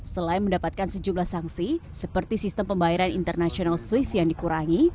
selain mendapatkan sejumlah sanksi seperti sistem pembayaran international swift yang dikurangi